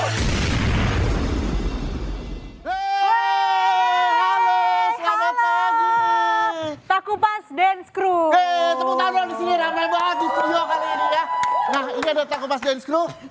ini ada takupas dance crew